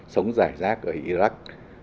sống rải rác ở iraq